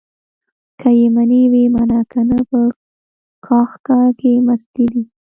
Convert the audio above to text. که يې منې ويې منه؛ که نه په کاکښه کې مستې دي.